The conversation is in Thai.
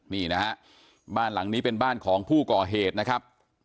นี่นะฮะบ้านหลังนี้เป็นบ้านของผู้ก่อเหตุนะครับ